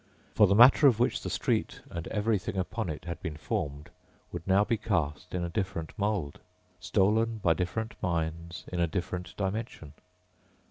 For the matter of which the street and everything upon it had been formed would now be cast in a different mold, stolen by different minds in a different dimension.